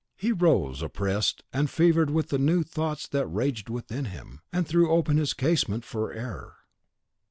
He rose, oppressed and fevered with the new thoughts that raged within him, and threw open his casement for air.